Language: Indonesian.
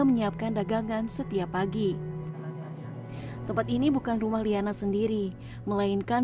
menyiapkan dagangan setiap pagi tempat ini bukan rumah liana sendiri melainkan